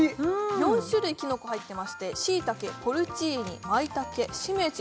４種類きのこ入ってましてしいたけポルチーニまいたけしめじ